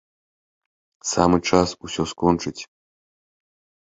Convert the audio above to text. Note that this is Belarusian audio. Самы час усё скончыць.